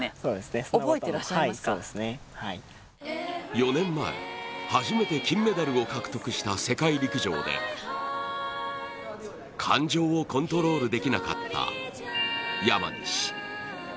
４年前、初めて金メダルを獲得した世界陸上で感情をコントロールできなかった、山西。